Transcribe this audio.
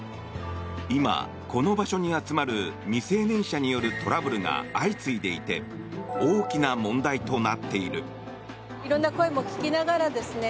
今、この場所に集まる未成年者によるトラブルが相次いでいて大きな問題となっている。